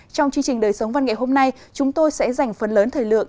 trong chương trình đời sống văn nghệ hôm nay chúng tôi sẽ dành phần lớn thời lượng